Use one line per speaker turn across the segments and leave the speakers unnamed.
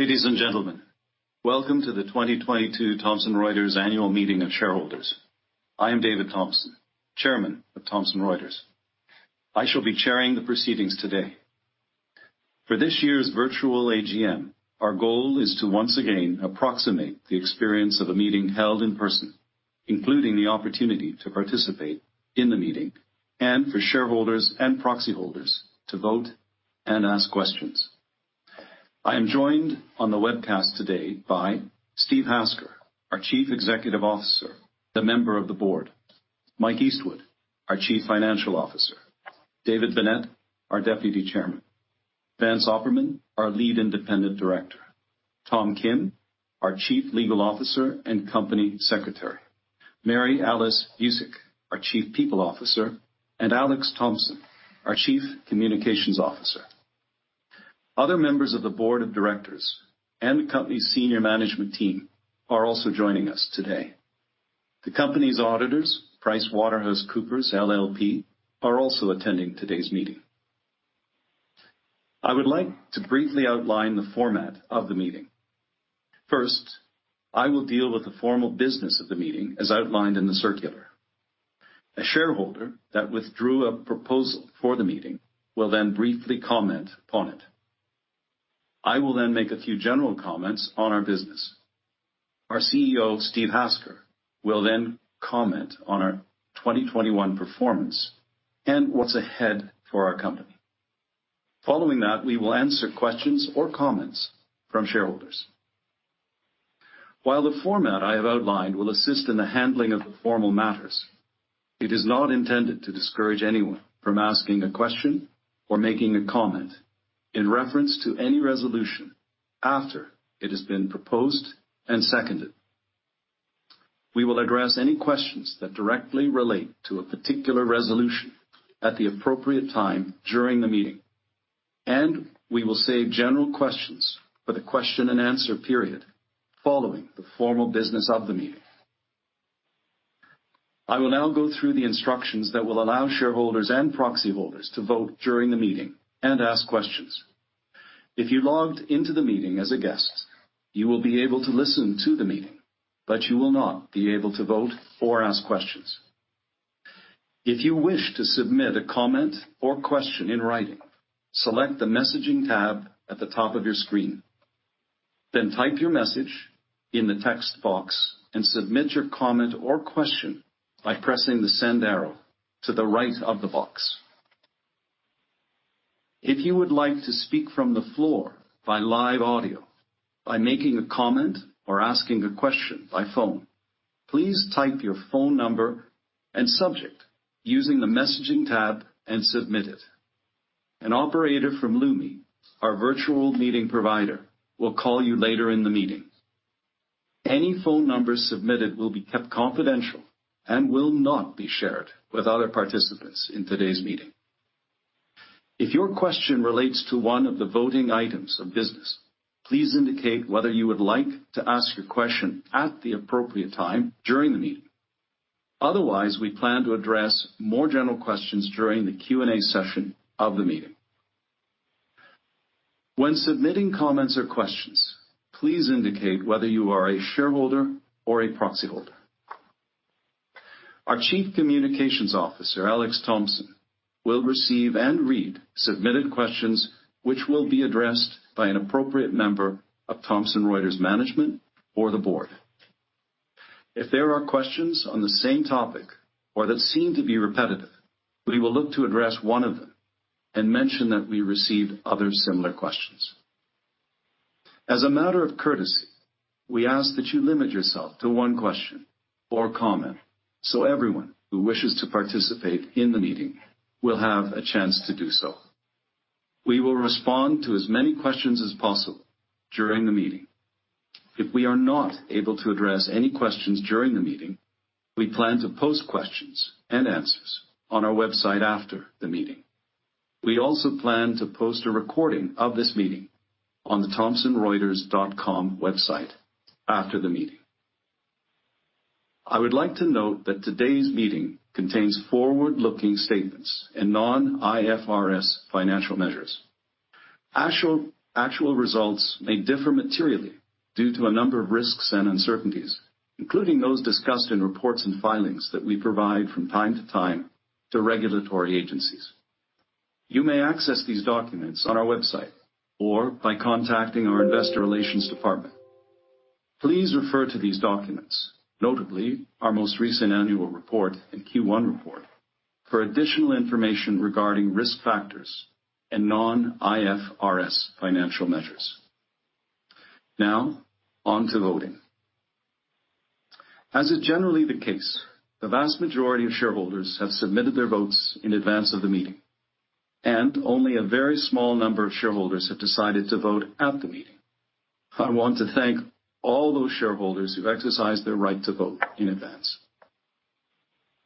Ladies and gentlemen, welcome to the 2022 Thomson Reuters Annual Meeting of Shareholders. I am David Thomson, Chairman of Thomson Reuters. I shall be chairing the proceedings today. For this year's virtual AGM, our goal is to once again approximate the experience of a meeting held in person, including the opportunity to participate in the meeting and for shareholders and proxy holders to vote and ask questions. I am joined on the webcast today by Steve Hasker, our Chief Executive Officer, a member of the board, Mike Eastwood, our Chief Financial Officer, David Bennett, our Deputy Chairman, Vance Opperman, our Lead Independent Director, Thomas Kim, our Chief Legal Officer and Company Secretary, Mary Alice Vuicic, our Chief People Officer, and Alex Thompson, our Chief Communications Officer. Other members of the board of directors and the company's senior management team are also joining us today. The company's auditors, PricewaterhouseCoopers LLP, are also attending today's meeting. I would like to briefly outline the format of the meeting. First, I will deal with the formal business of the meeting as outlined in the circular. A shareholder that withdrew a proposal for the meeting will then briefly comment upon it. I will then make a few general comments on our business. Our CEO, Steve Hasker, will then comment on our 2021 performance and what's ahead for our company. Following that, we will answer questions or comments from shareholders. While the format I have outlined will assist in the handling of the formal matters, it is not intended to discourage anyone from asking a question or making a comment in reference to any resolution after it has been proposed and seconded. We will address any questions that directly relate to a particular resolution at the appropriate time during the meeting, and we will save general questions for the question-and-answer period following the formal business of the meeting. I will now go through the instructions that will allow shareholders and proxy holders to vote during the meeting and ask questions. If you logged into the meeting as a guest, you will be able to listen to the meeting, but you will not be able to vote or ask questions. If you wish to submit a comment or question in writing, select the messaging tab at the top of your screen, then type your message in the text box and submit your comment or question by pressing the send arrow to the right of the box. If you would like to speak from the floor by live audio, by making a comment or asking a question by phone, please type your phone number and subject using the messaging tab and submit it. An operator from Lumi, our virtual meeting provider, will call you later in the meeting. Any phone number submitted will be kept confidential and will not be shared with other participants in today's meeting. If your question relates to one of the voting items of business, please indicate whether you would like to ask your question at the appropriate time during the meeting. Otherwise, we plan to address more general questions during the Q&A session of the meeting. When submitting comments or questions, please indicate whether you are a shareholder or a proxy holder. Our Chief Communications Officer, Alex Thompson, will receive and read submitted questions which will be addressed by an appropriate member of Thomson Reuters management or the board. If there are questions on the same topic or that seem to be repetitive, we will look to address one of them and mention that we received other similar questions. As a matter of courtesy, we ask that you limit yourself to one question or comment so everyone who wishes to participate in the meeting will have a chance to do so. We will respond to as many questions as possible during the meeting. If we are not able to address any questions during the meeting, we plan to post questions and answers on our website after the meeting. We also plan to post a recording of this meeting on the thomsonreuters.com website after the meeting. I would like to note that today's meeting contains forward-looking statements and non-IFRS financial measures. Actual results may differ materially due to a number of risks and uncertainties, including those discussed in reports and filings that we provide from time to time to regulatory agencies. You may access these documents on our website or by contacting our Investor Relations Department. Please refer to these documents, notably our most recent annual report and Q1 report, for additional information regarding risk factors and non-IFRS financial measures. Now, on to voting. As is generally the case, the vast majority of shareholders have submitted their votes in advance of the meeting, and only a very small number of shareholders have decided to vote at the meeting. I want to thank all those shareholders who exercised their right to vote in advance.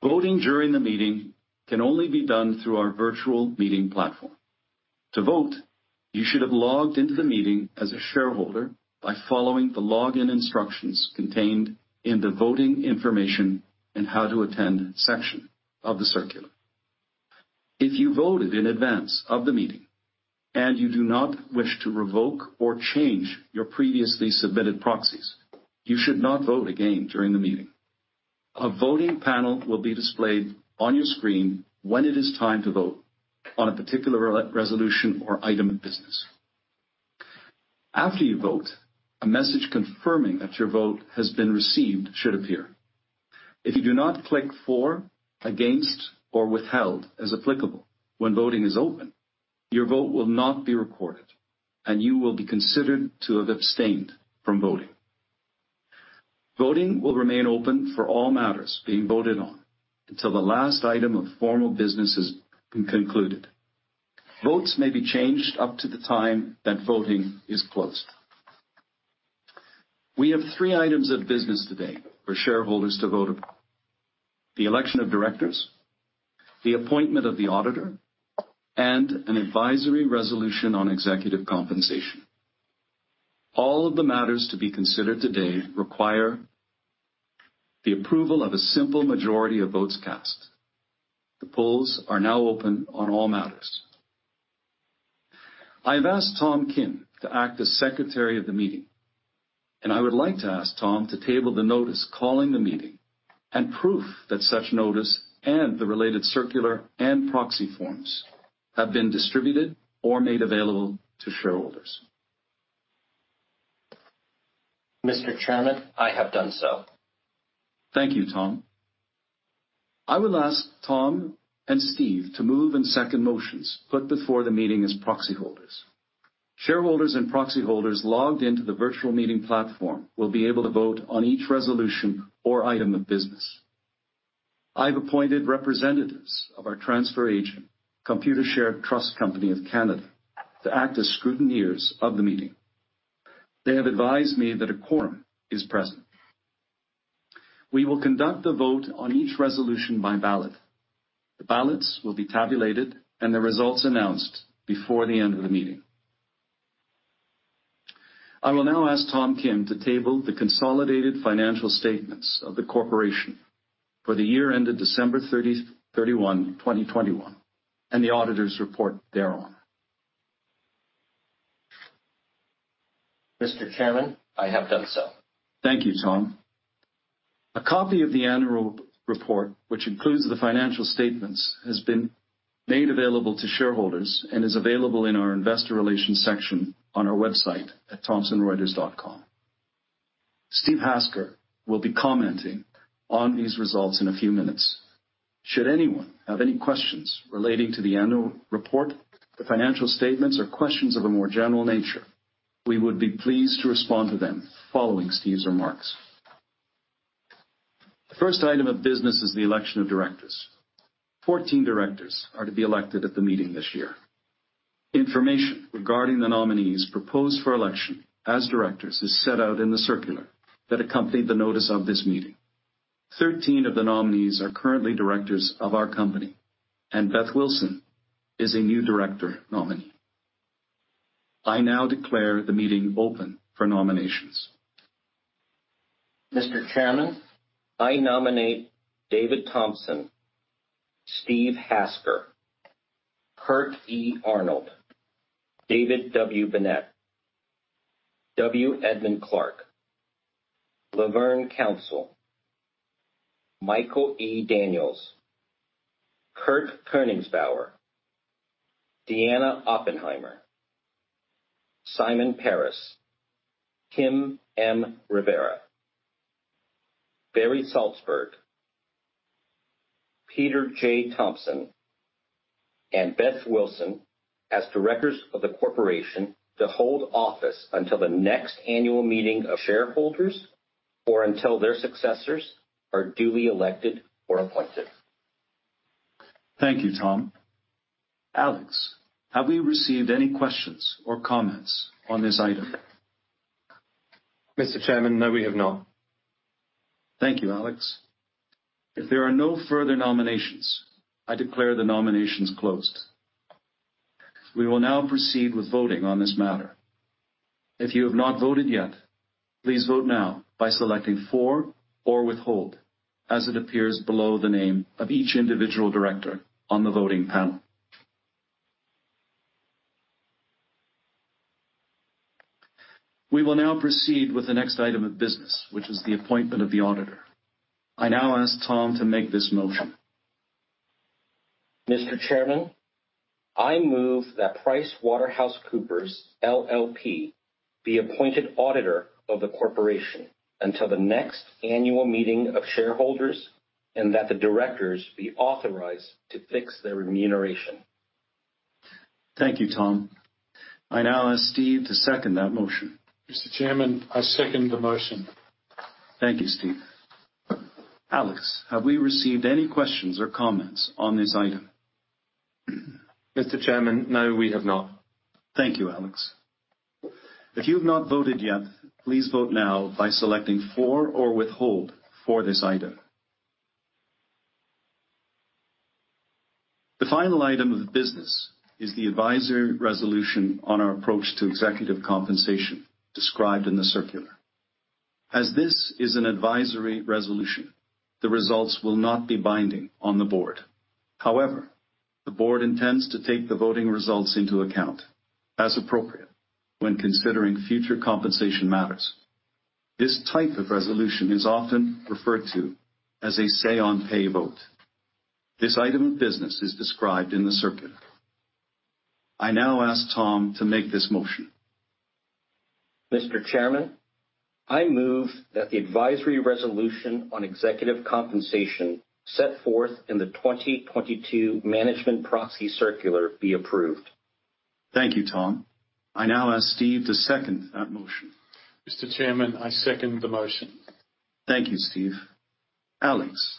Voting during the meeting can only be done through our virtual meeting platform. To vote, you should have logged into the meeting as a shareholder by following the login instructions contained in the voting information and how to attend section of the circular. If you voted in advance of the meeting and you do not wish to revoke or change your previously submitted proxies, you should not vote again during the meeting. A voting panel will be displayed on your screen when it is time to vote on a particular resolution or item of business. After you vote, a message confirming that your vote has been received should appear. If you do not click for, against, or withheld as applicable when voting is open, your vote will not be recorded, and you will be considered to have abstained from voting. Voting will remain open for all matters being voted on until the last item of formal business is concluded. Votes may be changed up to the time that voting is closed. We have three items of business today for shareholders to vote on: the election of directors, the appointment of the auditor, and an advisory resolution on executive compensation. All of the matters to be considered today require the approval of a simple majority of votes cast. The polls are now open on all matters. I have asked Tom Kim to act as secretary of the meeting, and I would like to ask Tom to table the notice calling the meeting and proof that such notice and the related circular and proxy forms have been distributed or made available to shareholders.
Mr. Chairman, I have done so.
Thank you, Tom. I will ask Tom and Steve to move and second motions put before the meeting as proxy holders. Shareholders and proxy holders logged into the virtual meeting platform will be able to vote on each resolution or item of business. I have appointed representatives of our transfer agent, Computershare Trust Company of Canada, to act as scrutineers of the meeting. They have advised me that a quorum is present. We will conduct the vote on each resolution by ballot. The ballots will be tabulated and the results announced before the end of the meeting. I will now ask Tom Kim to table the consolidated financial statements of the corporation for the year ended December 31, 2021, and the auditor's report thereon.
Mr. Chairman, I have done so.
Thank you, Tom. A copy of the annual report, which includes the financial statements, has been made available to shareholders and is available in our Investor Relations section on our website at thomsonreuters.com. Steve Hasker will be commenting on these results in a few minutes. Should anyone have any questions relating to the annual report, the financial statements, or questions of a more general nature, we would be pleased to respond to them following Steve's remarks. The first item of business is the election of directors. 14 directors are to be elected at the meeting this year. Information regarding the nominees proposed for election as directors is set out in the circular that accompanied the notice of this meeting. 13 of the nominees are currently directors of our company, and Beth Wilson is a new director nominee. I now declare the meeting open for nominations.
Mr. Chairman, I nominate David Thomson, Steve Hasker, Kirk E. Arnold, David W. Bennett, W. Edmund Clark, Laverne Council, Michael E. Daniels, Kirk Koenigsbauer, Deanna Oppenheimer, Simon Paris, Kim M. Rivera, Barry Salzberg, Peter J. Thomson, and Beth Wilson as directors of the corporation to hold office until the next annual meeting of shareholders or until their successors are duly elected or appointed.
Thank you, Tom. Alex, have we received any questions or comments on this item?
Mr. Chairman, no, we have not.
Thank you, Alex. If there are no further nominations, I declare the nominations closed. We will now proceed with voting on this matter. If you have not voted yet, please vote now by selecting for or withhold as it appears below the name of each individual director on the voting panel. We will now proceed with the next item of business, which is the appointment of the auditor. I now ask Tom to make this motion.
Mr. Chairman, I move that PricewaterhouseCoopers LLP be appointed auditor of the corporation until the next annual meeting of shareholders and that the directors be authorized to fix their remuneration.
Thank you, Tom. I now ask Steve to second that motion.
Mr. Chairman, I second the motion.
Thank you, Steve. Alex, have we received any questions or comments on this item?
Mr. Chairman, no, we have not.
Thank you, Alex. If you have not voted yet, please vote now by selecting for or withhold for this item. The final item of business is the advisory resolution on our approach to executive compensation described in the circular. As this is an advisory resolution, the results will not be binding on the board. However, the board intends to take the voting results into account as appropriate when considering future compensation matters. This type of resolution is often referred to as a say-on-pay vote. This item of business is described in the circular. I now ask Tom to make this motion.
Mr. Chairman, I move that the advisory resolution on executive compensation set forth in the 2022 management proxy circular be approved.
Thank you, Tom. I now ask Steve to second that motion.
Mr. Chairman, I second the motion.
Thank you, Steve. Alex,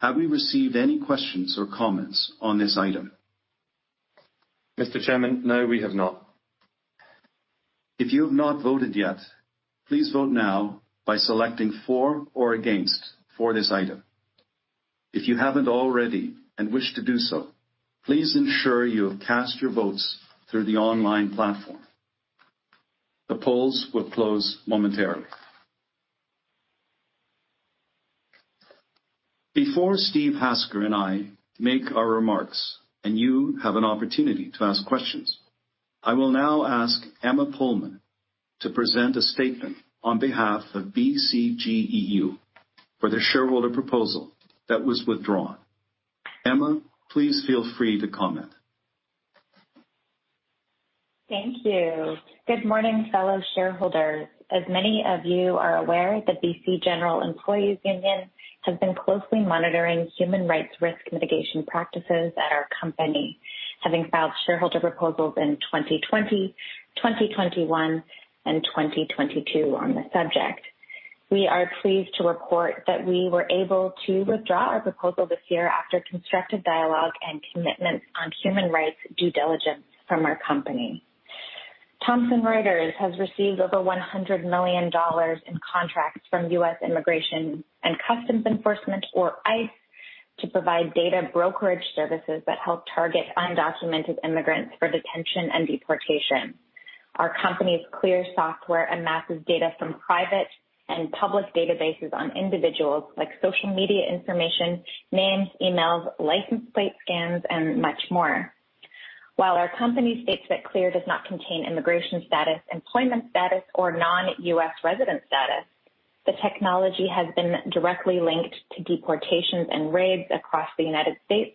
have we received any questions or comments on this item?
Mr. Chairman, no, we have not.
If you have not voted yet, please vote now by selecting for or against this item. If you haven't already and wish to do so, please ensure you have cast your votes through the online platform. The polls will close momentarily. Before Steve Hasker and I make our remarks and you have an opportunity to ask questions, I will now ask Emma Pullman to present a statement on behalf of BCGEU for the shareholder proposal that was withdrawn. Emma, please feel free to comment.
Thank you. Good morning, fellow shareholders. As many of you are aware, the BC General Employees' Union has been closely monitoring human rights risk mitigation practices at our company, having filed shareholder proposals in 2020, 2021, and 2022 on the subject. We are pleased to report that we were able to withdraw our proposal this year after constructive dialogue and commitment on human rights due diligence from our company. Thomson Reuters has received over $100 million in contracts from U.S. Immigration and Customs Enforcement, or ICE, to provide data brokerage services that help target undocumented immigrants for detention and deportation. Our company's CLEAR software amasses data from private and public databases on individuals like social media information, names, emails, license plate scans, and much more. While our company states that CLEAR does not contain immigration status, employment status, or non-U.S. Resident status, the technology has been directly linked to deportations and raids across the United States,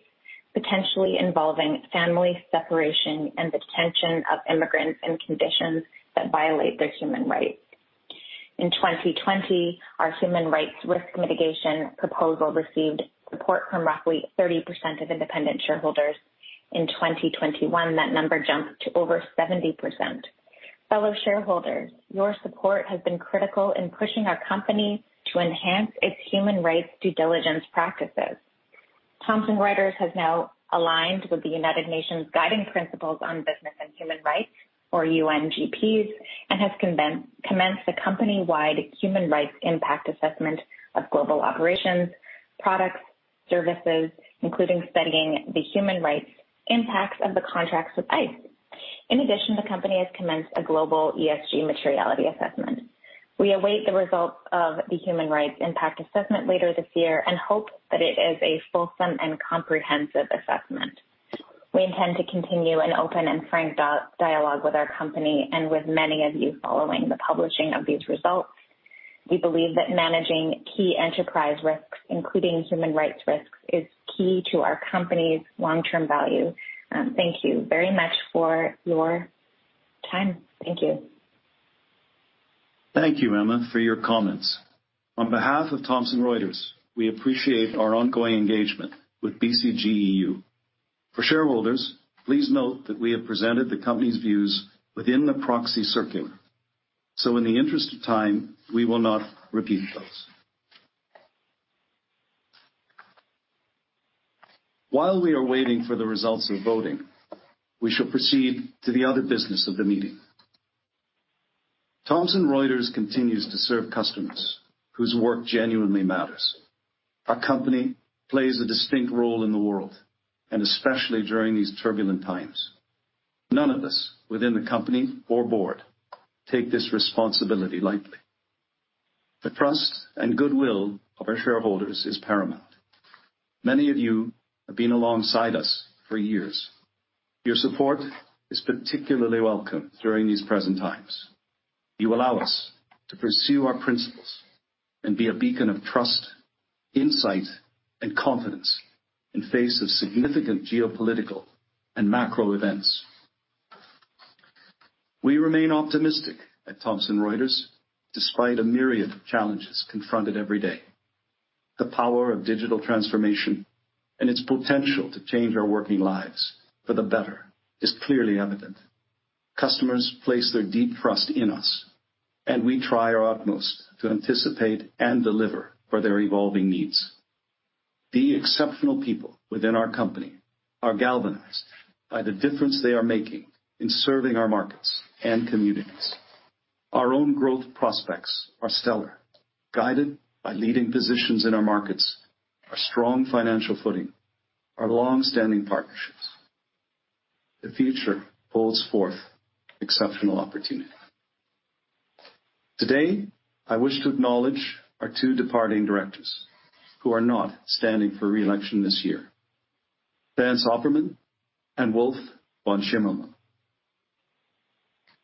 potentially involving family separation and detention of immigrants in conditions that violate their human rights. In 2020, our human rights risk mitigation proposal received support from roughly 30% of independent shareholders. In 2021, that number jumped to over 70%. Fellow shareholders, your support has been critical in pushing our company to enhance its human rights due diligence practices. Thomson Reuters has now aligned with the United Nations Guiding Principles on Business and Human Rights, or UNGPs, and has commenced a company-wide human rights impact assessment of global operations, products, services, including studying the human rights impacts of the contracts with ICE. In addition, the company has commenced a global ESG materiality assessment. We await the results of the human rights impact assessment later this year and hope that it is a fulsome and comprehensive assessment. We intend to continue an open and frank dialogue with our company and with many of you following the publishing of these results. We believe that managing key enterprise risks, including human rights risks, is key to our company's long-term value. Thank you very much for your time. Thank you.
Thank you, Emma, for your comments. On behalf of Thomson Reuters, we appreciate our ongoing engagement with BCGEU. For shareholders, please note that we have presented the company's views within the proxy circular, so in the interest of time, we will not repeat those. While we are waiting for the results of voting, we shall proceed to the other business of the meeting. Thomson Reuters continues to serve customers whose work genuinely matters. Our company plays a distinct role in the world, and especially during these turbulent times. None of us within the company or board take this responsibility lightly. The trust and goodwill of our shareholders is paramount. Many of you have been alongside us for years. Your support is particularly welcome during these present times. You allow us to pursue our principles and be a beacon of trust, insight, and confidence in the face of significant geopolitical and macro events. We remain optimistic at Thomson Reuters despite a myriad of challenges confronted every day. The power of digital transformation and its potential to change our working lives for the better is clearly evident. Customers place their deep trust in us, and we try our utmost to anticipate and deliver for their evolving needs. The exceptional people within our company are galvanized by the difference they are making in serving our markets and communities. Our own growth prospects are stellar, guided by leading positions in our markets, our strong financial footing, our long-standing partnerships. The future holds forth exceptional opportunity. Today, I wish to acknowledge our two departing directors who are not standing for reelection this year: Vance Opperman and Wulf von Schimmelmann.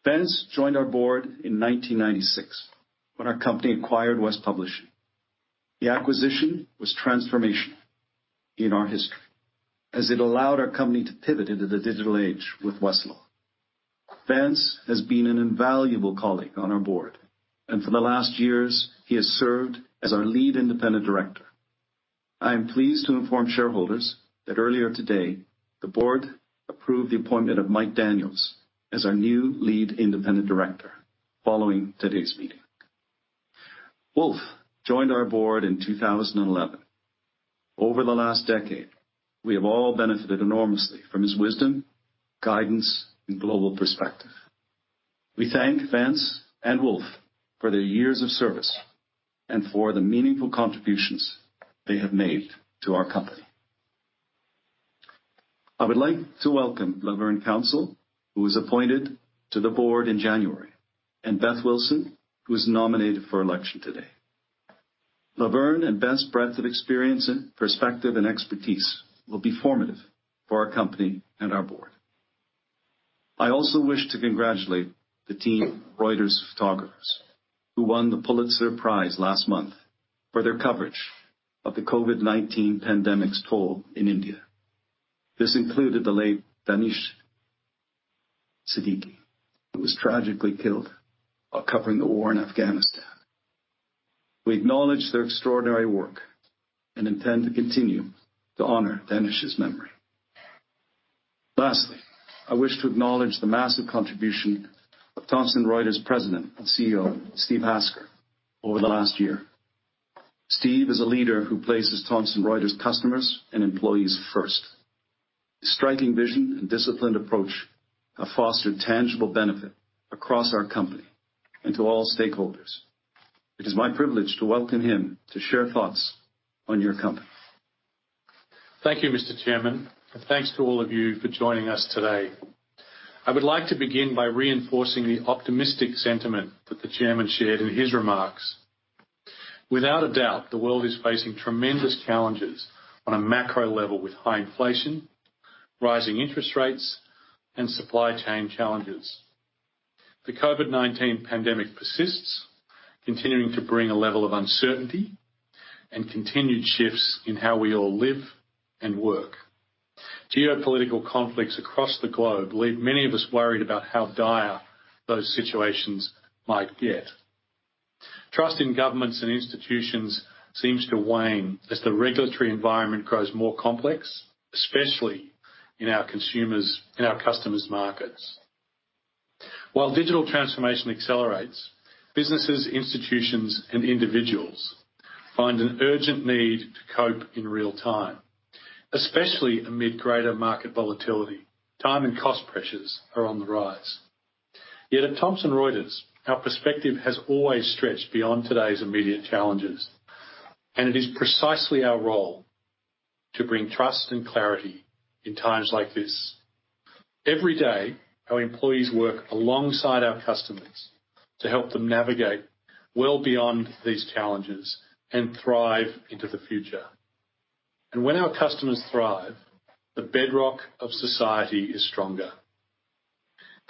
Vance joined our board in 1996 when our company acquired West Publishing. The acquisition was transformational in our history as it allowed our company to pivot into the digital age with Westlaw. Vance has been an invaluable colleague on our board, and for the last years, he has served as our lead independent director. I am pleased to inform shareholders that earlier today, the board approved the appointment of Mike Daniels as our new lead independent director following today's meeting. Wulf joined our board in 2011. Over the last decade, we have all benefited enormously from his wisdom, guidance, and global perspective. We thank Vance and Wulf for their years of service and for the meaningful contributions they have made to our company. I would like to welcome Laverne Council, who was appointed to the board in January, and Beth Wilson, who was nominated for election today. Laverne and Beth's breadth of experience, perspective, and expertise will be formative for our company and our board. I also wish to congratulate the team of Reuters photographers who won the Pulitzer Prize last month for their coverage of the COVID-19 pandemic's toll in India. This included the late Danish Siddiqui, who was tragically killed while covering the war in Afghanistan. We acknowledge their extraordinary work and intend to continue to honor Danish's memory. Lastly, I wish to acknowledge the massive contribution of Thomson Reuters' President and CEO, Steve Hasker, over the last year. Steve is a leader who places Thomson Reuters' customers and employees first. His striking vision and disciplined approach have fostered tangible benefit across our company and to all stakeholders. It is my privilege to welcome him to share thoughts on your company.
Thank you, Mr. Chairman, and thanks to all of you for joining us today. I would like to begin by reinforcing the optimistic sentiment that the Chairman shared in his remarks. Without a doubt, the world is facing tremendous challenges on a macro level with high inflation, rising interest rates, and supply chain challenges. The COVID-19 pandemic persists, continuing to bring a level of uncertainty and continued shifts in how we all live and work. Geopolitical conflicts across the globe leave many of us worried about how dire those situations might get. Trust in governments and institutions seems to wane as the regulatory environment grows more complex, especially in our customers' markets. While digital transformation accelerates, businesses, institutions, and individuals find an urgent need to cope in real time, especially amid greater market volatility. Time and cost pressures are on the rise. Yet at Thomson Reuters, our perspective has always stretched beyond today's immediate challenges, and it is precisely our role to bring trust and clarity in times like this. Every day, our employees work alongside our customers to help them navigate well beyond these challenges and thrive into the future, and when our customers thrive, the bedrock of society is stronger.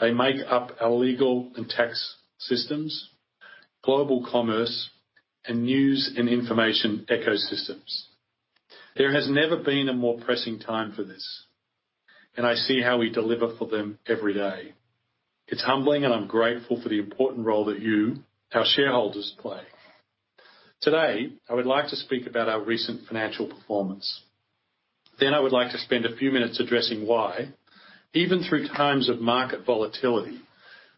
They make up our legal and tax systems, global commerce, and news and information ecosystems. There has never been a more pressing time for this, and I see how we deliver for them every day. It's humbling, and I'm grateful for the important role that you, our shareholders, play. Today, I would like to speak about our recent financial performance. Then I would like to spend a few minutes addressing why, even through times of market volatility,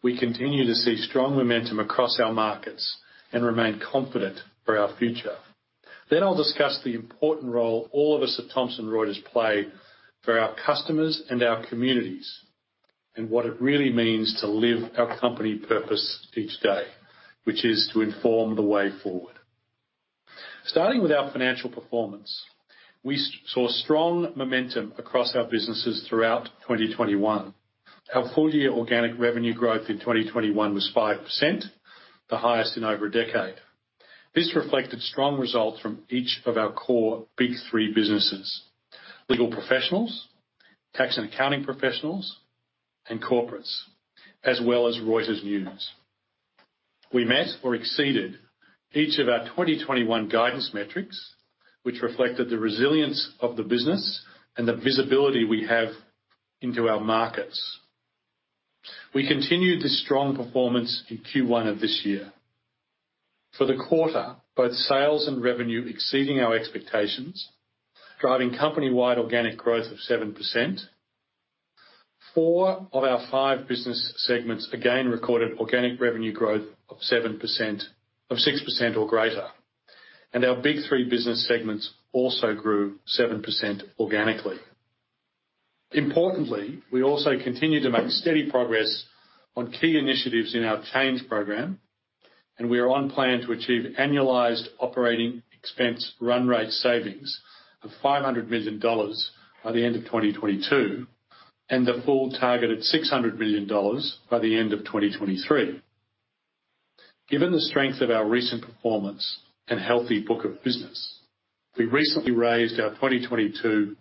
we continue to see strong momentum across our markets and remain confident for our future. Then I'll discuss the important role all of us at Thomson Reuters play for our customers and our communities and what it really means to live our company purpose each day, which is to inform the way forward. Starting with our financial performance, we saw strong momentum across our businesses throughout 2021. Our full-year organic revenue growth in 2021 was 5%, the highest in over a decade. This reflected strong results from each of our core Big Three businesses: Legal Professionals, Tax & Accounting Professionals, and Corporates, as well as Reuters News. We met or exceeded each of our 2021 guidance metrics, which reflected the resilience of the business and the visibility we have into our markets. We continued this strong performance in Q1 of this year. For the quarter, both sales and revenue exceeded our expectations, driving company-wide organic growth of 7%. Four of our five business segments again recorded organic revenue growth of 6% or greater, and our Big Three business segments also grew 7% organically. Importantly, we also continue to make steady progress on key initiatives in our Change Program, and we are on plan to achieve annualized operating expense run rate savings of $500 million by the end of 2022 and the full targeted $600 million by the end of 2023. Given the strength of our recent performance and healthy book of business, we recently raised our 2022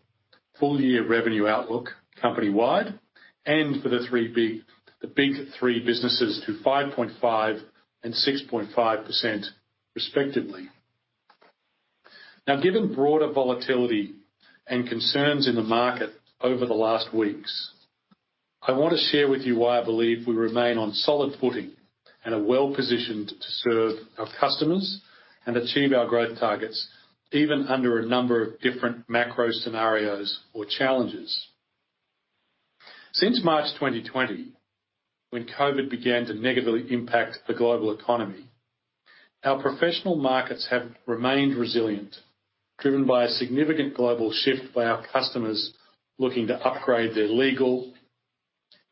full-year revenue outlook company-wide and for the Big Three businesses to 5.5% and 6.5%, respectively. Now, given broader volatility and concerns in the market over the last weeks, I want to share with you why I believe we remain on solid footing and are well-positioned to serve our customers and achieve our growth targets even under a number of different macro scenarios or challenges. Since March 2020, when COVID began to negatively impact the global economy, our professional markets have remained resilient, driven by a significant global shift by our customers looking to upgrade their legal,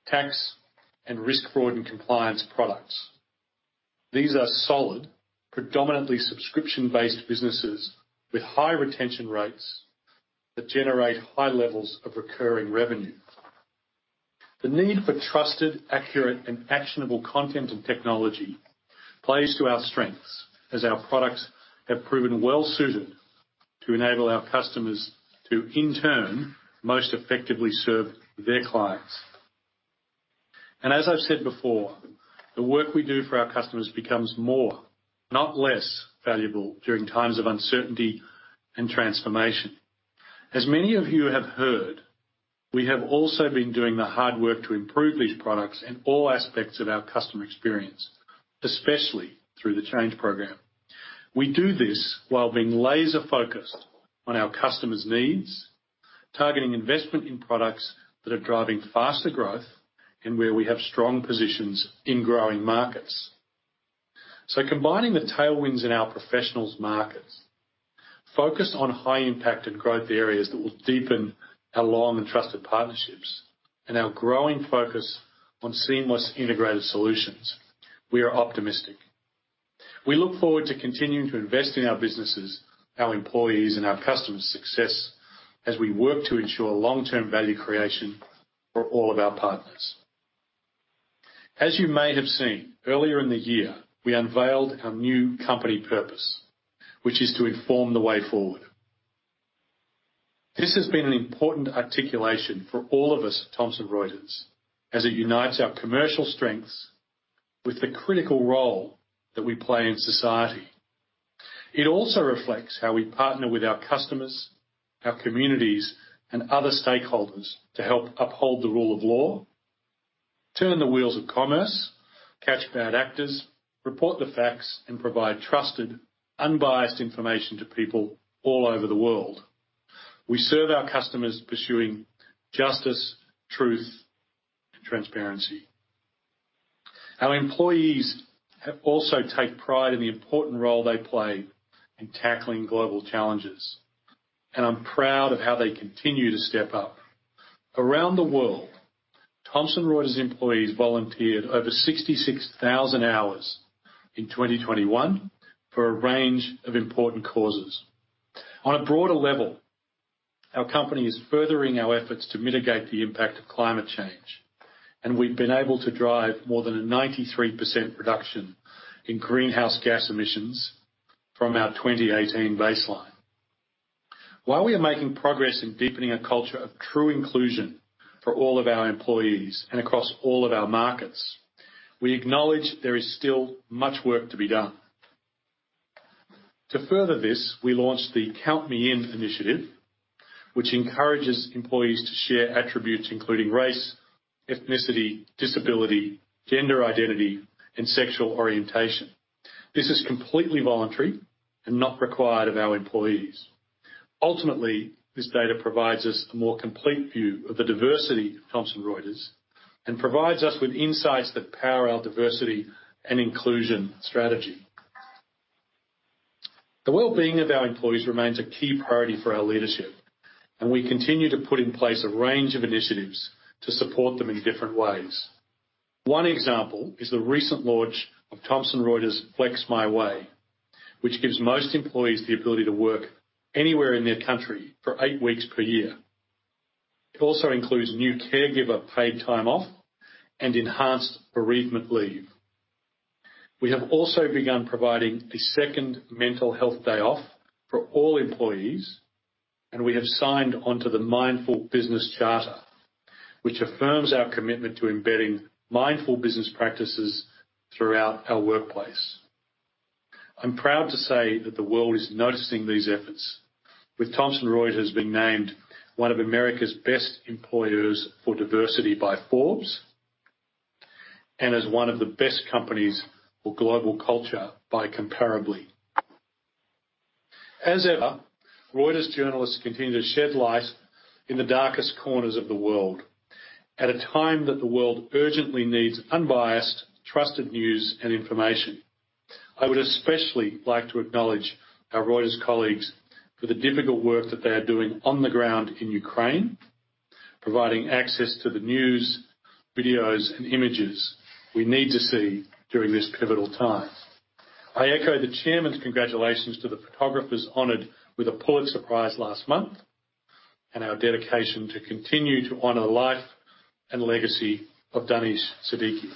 tax, and risk, fraud, and compliance products. These are solid, predominantly subscription-based businesses with high retention rates that generate high levels of recurring revenue. The need for trusted, accurate, and actionable content and technology plays to our strengths as our products have proven well-suited to enable our customers to, in turn, most effectively serve their clients. As I've said before, the work we do for our customers becomes more, not less, valuable during times of uncertainty and transformation. As many of you have heard, we have also been doing the hard work to improve these products in all aspects of our customer experience, especially through the Change Program. We do this while being laser-focused on our customers' needs, targeting investment in products that are driving faster growth and where we have strong positions in growing markets. Combining the tailwinds in our professionals' markets, focused on high-impacted growth areas that will deepen our long-and trusted partnerships, and our growing focus on seamless integrated solutions, we are optimistic. We look forward to continuing to invest in our businesses, our employees, and our customers' success as we work to ensure long-term value creation for all of our partners. As you may have seen, earlier in the year, we unveiled our new company purpose, which is to inform the way forward. This has been an important articulation for all of us at Thomson Reuters as it unites our commercial strengths with the critical role that we play in society. It also reflects how we partner with our customers, our communities, and other stakeholders to help uphold the rule of law, turn the wheels of commerce, catch bad actors, report the facts, and provide trusted, unbiased information to people all over the world. We serve our customers pursuing justice, truth, and transparency. Our employees also take pride in the important role they play in tackling global challenges, and I'm proud of how they continue to step up. Around the world, Thomson Reuters employees volunteered over 66,000 hours in 2021 for a range of important causes. On a broader level, our company is furthering our efforts to mitigate the impact of climate change, and we've been able to drive more than a 93% reduction in greenhouse gas emissions from our 2018 baseline. While we are making progress in deepening a culture of true inclusion for all of our employees and across all of our markets, we acknowledge there is still much work to be done. To further this, we launched the Count Me In initiative, which encourages employees to share attributes including race, ethnicity, disability, gender identity, and sexual orientation. This is completely voluntary and not required of our employees. Ultimately, this data provides us a more complete view of the diversity of Thomson Reuters and provides us with insights that power our diversity and inclusion strategy. The well-being of our employees remains a key priority for our leadership, and we continue to put in place a range of initiatives to support them in different ways. One example is the recent launch of Thomson Reuters Flex My Way, which gives most employees the ability to work anywhere in their country for eight weeks per year. It also includes new caregiver paid time off and enhanced bereavement leave. We have also begun providing a second mental health day off for all employees, and we have signed onto the Mindful Business Charter, which affirms our commitment to embedding mindful business practices throughout our workplace. I'm proud to say that the world is noticing these efforts, with Thomson Reuters being named one of America's best employers for diversity by Forbes and as one of the best companies for global culture by Comparably. As ever, Reuters journalists continue to shed light in the darkest corners of the world. At a time that the world urgently needs unbiased, trusted news and information, I would especially like to acknowledge our Reuters colleagues for the difficult work that they are doing on the ground in Ukraine, providing access to the news, videos, and images we need to see during this pivotal time. I echo the Chairman's congratulations to the photographers honored with a Pulitzer Prize last month and our dedication to continue to honor the life and legacy of Danish Siddiqui.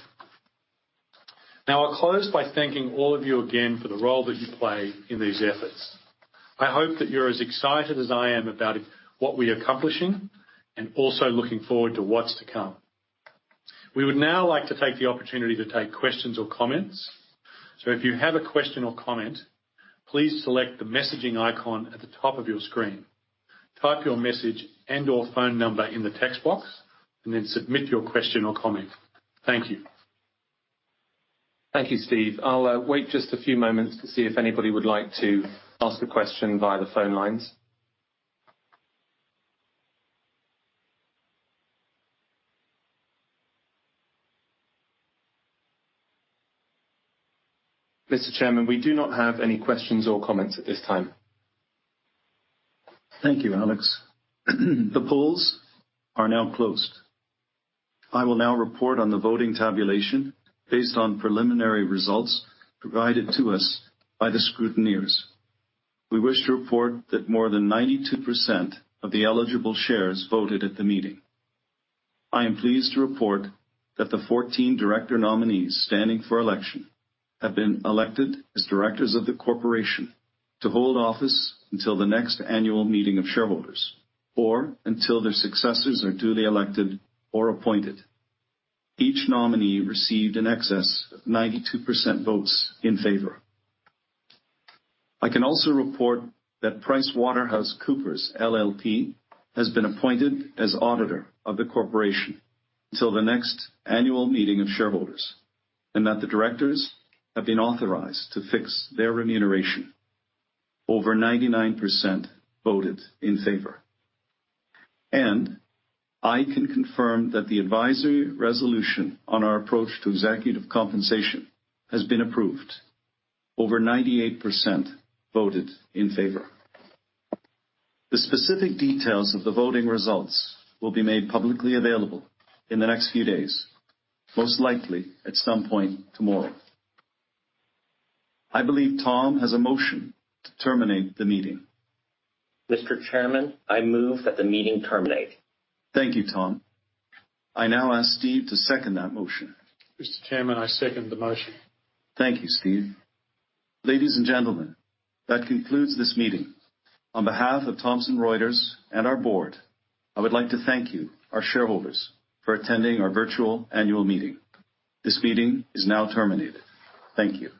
Now, I'll close by thanking all of you again for the role that you play in these efforts. I hope that you're as excited as I am about what we are accomplishing and also looking forward to what's to come. We would now like to take the opportunity to take questions or comments. So if you have a question or comment, please select the messaging icon at the top of your screen. Type your message and/or phone number in the text box and then submit your question or comment. Thank you.
Thank you, Steve. I'll wait just a few moments to see if anybody would like to ask a question via the phone lines. Mr. Chairman, we do not have any questions or comments at this time.
Thank you, Alex. The polls are now closed. I will now report on the voting tabulation based on preliminary results provided to us by the scrutineers. We wish to report that more than 92% of the eligible shares voted at the meeting. I am pleased to report that the 14 director nominees standing for election have been elected as directors of the corporation to hold office until the next annual meeting of shareholders or until their successors are duly elected or appointed. Each nominee received in excess of 92% votes in favor. I can also report that PricewaterhouseCoopers LLP has been appointed as auditor of the corporation until the next annual meeting of shareholders and that the directors have been authorized to fix their remuneration. Over 99% voted in favor, and I can confirm that the advisory resolution on our approach to executive compensation has been approved. Over 98% voted in favor. The specific details of the voting results will be made publicly available in the next few days, most likely at some point tomorrow. I believe Tom has a motion to terminate the meeting.
Mr. Chairman, I move that the meeting terminate.
Thank you, Tom. I now ask Steve to second that motion.
Mr. Chairman, I second the motion.
Thank you, Steve. Ladies and gentlemen, that concludes this meeting. On behalf of Thomson Reuters and our board, I would like to thank you, our shareholders, for attending our virtual annual meeting. This meeting is now terminated. Thank you.